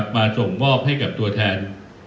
มาส่งมอบให้กับตัวแทน